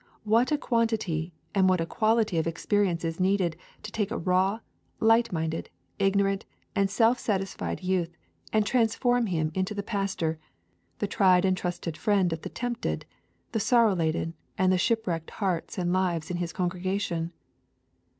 What a quantity and what a quality of experience is needed to take a raw, light minded, ignorant, and self satisfied youth and transform him into the pastor, the tried and trusted friend of the tempted, the sorrow laden, and the shipwrecked hearts and lives in his congregation!